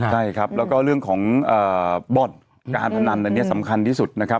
ใช่ครับแล้วก็เรื่องของบ่อนการพนันอันนี้สำคัญที่สุดนะครับ